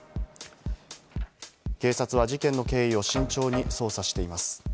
警察は事件の経緯を慎重に捜査しています。